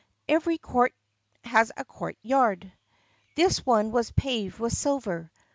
(Every court has a courtyard.) This one was paved with silver.